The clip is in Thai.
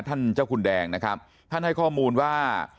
ท่านเจ้าคุณแดงนะครับท่านให้ข้อมูลว่า